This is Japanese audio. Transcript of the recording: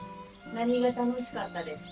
何が楽しかったですか？